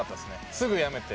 すぐ辞めて。